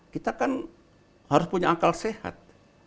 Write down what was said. kita kan harus punya akal sehat